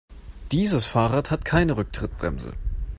Dieses Fahrrad hat keine Rücktrittbremse.